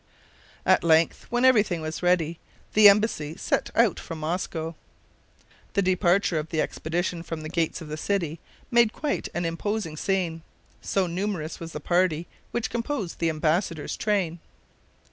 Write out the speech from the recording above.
At length, when every thing was ready, the embassy set out from Moscow. The departure of the expedition from the gates of the city made quite an imposing scene, so numerous was the party which composed the embassadors' train.